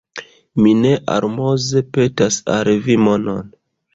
Mi ne almoze petas al vi monon!